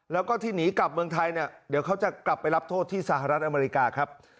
แล้วก็ที่หนีกลับเมืองไทยเนี่ยเดี๋ยวเขาจะกลับไปรับโทษที่สหรัฐอเมริกาครับ